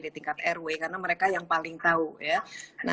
tingkat rw karena mereka yang paling banyak yang terkena